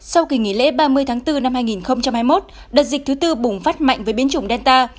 sau kỳ nghỉ lễ ba mươi tháng bốn năm hai nghìn hai mươi một đợt dịch thứ tư bùng phát mạnh với biến chủng delta